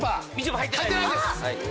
入ってないです。